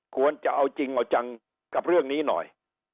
ควรจะเอาจริงเอาจังกับเรื่องนี้หน่อย